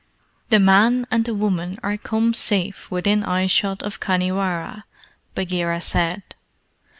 "The man and the woman are come safe within eye shot of Khanhiwara," Bagheera said.